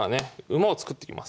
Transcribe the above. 馬を作ってきます。